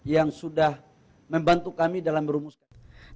yang sudah membantu kami dalam merumuskan